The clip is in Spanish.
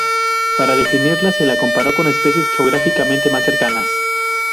Para definirla se la comparó con especies geográficamente más cercanas.